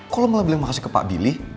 kok lo malah bilang makasih ke pak billy